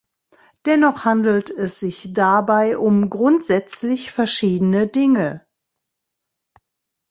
Dennoch handelt es sich dabei um grundsätzlich verschiedene Dinge.